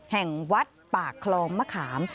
แห่งวัดปากคลองมะขาม